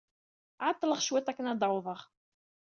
Ɛeḍḍleɣ cwiṭ akken ad d-awḍeɣ.